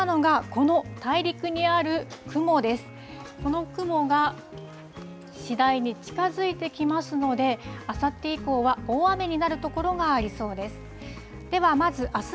この雲が次第に近づいてきますので、あさって以降は大雨になる所がありそうです。